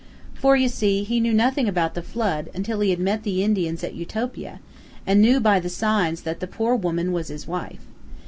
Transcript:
For, you see, he knew nothing about the flood until he met the Indians at Utopia, and knew by the signs that the poor woman was his wife.